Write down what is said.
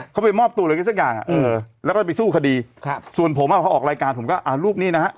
เขาไปมอบตัวอะไรกันสักอย่างแล้วก็ไปสู้คดีส่วนผมพอออกรายการผมก็อ่ะรูปนี้นะครับ